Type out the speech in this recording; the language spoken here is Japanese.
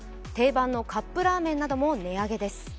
定番のカップラーメンなども値上げです。